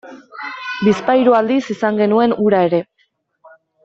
Bizpahiru aldiz izan genuen hura ere.